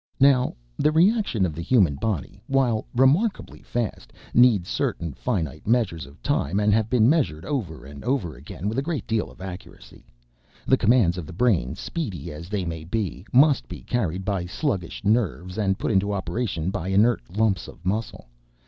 Now the reaction of the human body, while remarkably fast, need certain finite measures of time and have been measured over and over again with a great deal of accuracy. The commands of the brain, speedy as they may be, must be carried by sluggish nerves and put into operation by inert lumps of muscle.